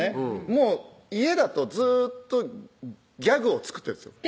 もう家だとずーっとギャグを作ってるんですよ